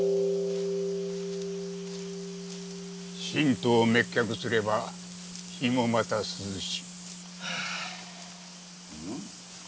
「心頭を滅却すれば火もまた涼し」